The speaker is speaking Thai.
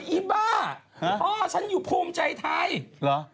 อีบ้าพ่อฉันอยู่ภูมิใจไทยเหรอ